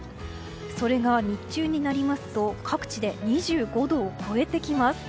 それが日中になりますと各地で２５度を超えてきます。